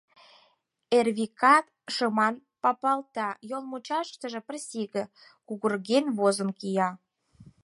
Эрвикат шыман папалта, йол мучаштыже пырысиге кугырген возын кия.